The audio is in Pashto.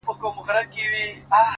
o د گريوان ډورۍ ته دادی ځان ورسپاري ـ